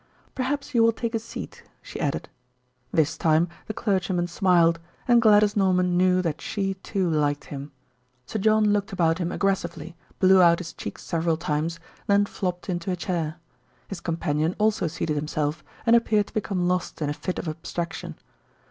"Perhaps you will take a seat," she added. This time the clergyman smiled, and Gladys Norman knew that she too liked him. Sir John looked about him aggressively, blew out his cheeks several times, then flopped into a chair. His companion also seated himself, and appeared to become lost in a fit of abstraction.